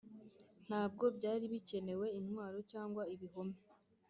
ntabwo byari bikenewe intwaro cyangwa ibihome